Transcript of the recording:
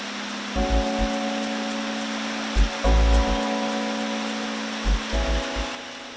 saya bisa memberikan kontribusi pada dunia